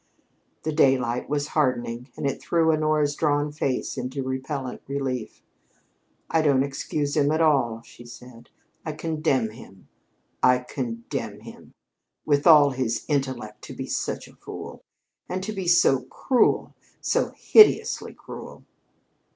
The daylight was hardening, and it threw Honora's drawn face into repellent relief. "I don't excuse him at all!" she said. "I condemn him! I condemn him! With all his intellect, to be such a fool! And to be so cruel so hideously cruel!"